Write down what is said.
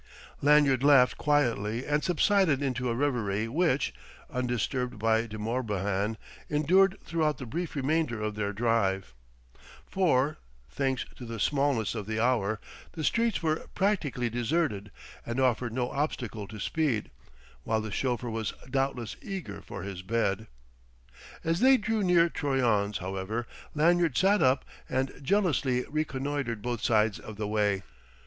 Lanyard laughed quietly and subsided into a reverie which, undisturbed by De Morbihan, endured throughout the brief remainder of their drive; for, thanks to the smallness of the hour, the streets were practically deserted and offered no obstacle to speed; while the chauffeur was doubtless eager for his bed. As they drew near Troyon's, however, Lanyard sat up and jealously reconnoitered both sides of the way.